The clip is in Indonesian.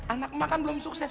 anak emak kan belum sukses